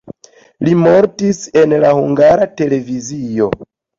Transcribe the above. Li mortis en la Hungara Televizio.